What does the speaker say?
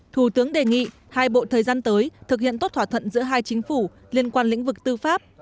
thủ tướng đề nghị hai bộ thời gian tới thực hiện tốt thỏa thuận giữa hai chính phủ liên quan lĩnh vực tư pháp